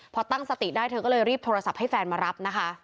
พอตั้งสติได้เธอก็เลยรีบโทรศัพท์ให้แฟนมารับนะคะ